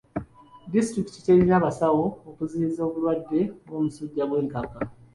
Disitulikiti terina basawo kuziyiza obulwadde bw'omusujja gw'enkaka.